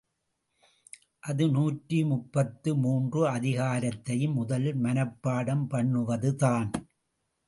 அது நூற்றி முப்பத்து மூன்று அதிகாரத்தையும் முதலில் மனப்பாடம் பண்ணுவதுதான்.